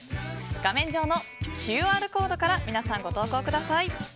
画面上のＱＲコードから皆さん、ご投稿ください。